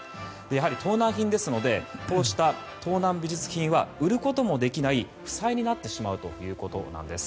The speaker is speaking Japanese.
盗難品ですのでこうした盗難美術品は売ることもできない負債になってしまうということなんです。